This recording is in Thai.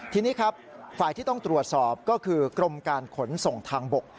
ทีนี้ครับฝ่ายที่ต้องตรวจสอบก็คือกรมการขนส่งทางบก